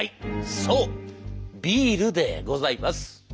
そうビールでございます。